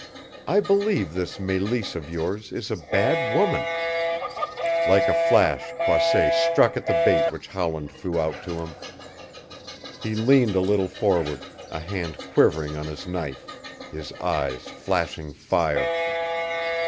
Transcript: I believe this Meleese of yours is a bad woman." Like a flash Croisset struck at the bait which Howland threw out to him. He leaned a little forward, a hand quivering on his knife, his eyes flashing fire.